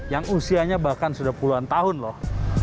yang usianya bahkan sudah puluhan tahun loh